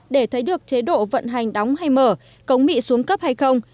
để thấy được chế độ vận hành đóng hay mở cống bị xuống cấp hay không